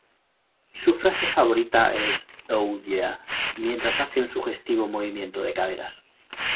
Su frase favorita es "oh, yeah" mientras hace un sugestivo movimiento de caderas.